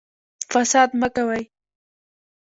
فساد مه کوئ